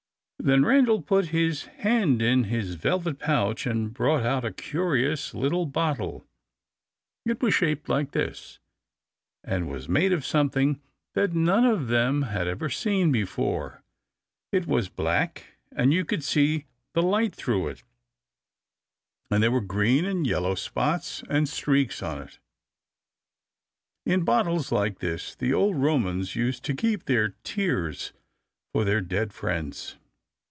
Then Randal put his hand in his velvet pouch, and brought out a curious small bottle.* It was shaped like this, [Illustration: Page 298] and was made of something that none of them had ever seen before. It was black, and you could see the light through it, and there were green and yellow spots and streaks on it. * In bottles like this, the old Romans used to keep their tears for their dead friends.